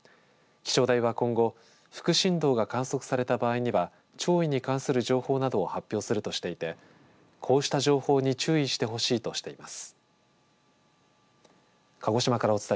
気象台は今後副振動が観測された場合には潮位に関する情報などを発表するとしていてこうした情報に注意してほしいとしています。